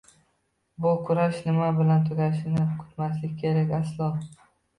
Bu kurash nima bilan tugashini kutmaslik kerak! Aslo!..